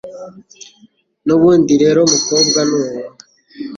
N'ubundi rero mukobwa nuwo